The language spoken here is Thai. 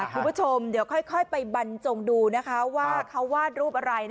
คุณผู้ชมเดี๋ยวค่อยไปบรรจงดูนะคะว่าเขาวาดรูปอะไร